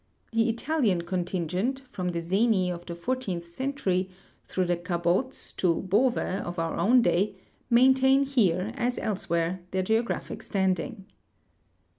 The Italian contingent, from the Zeni of the fourteenth cen tury through the Cabots toBoveof our OAvn day, maintain here, as elseAvhere, their geographic standing.